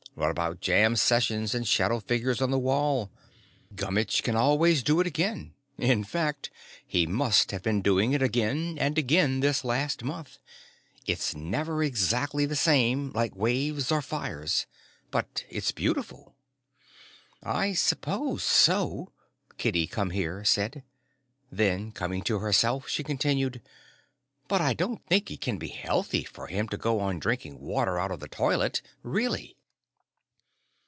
What about jam sessions and shadow figures on the wall? Gummitch can always do it again in fact, he must have been doing it again and again this last month. It's never exactly the same, like waves or fires. But it's beautiful." "I suppose so," Kitty Come Here said. Then coming to herself, she continued, "But I don't think it can be healthy for him to go on drinking water out of the toilet. Really."